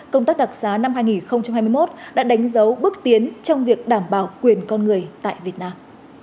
công tác đặc sá năm hai nghìn hai mươi một đã đánh dấu bước tiến trong việc đảm bảo quyền con người tại việt nam